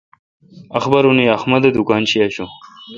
اخبارونے احمد اے° دکان شی آشوں۔